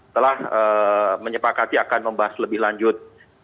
telah menyepakati akan membahas lebih lanjut